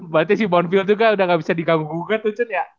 berarti si bonville juga udah gak bisa diganggu ganggu tuh cen ya